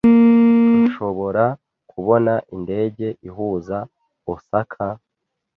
Nshobora kubona indege ihuza Osaka?